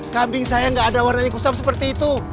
kambing saya nggak ada warnanya kusam seperti itu